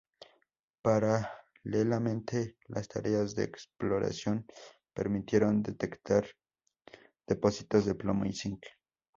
Paralelamente, las tareas de exploración permitieron detectar depósitos de plomo y zinc.